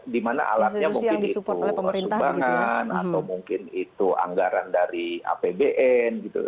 dimana alatnya mungkin itu perusahaan atau mungkin itu anggaran dari apbn gitu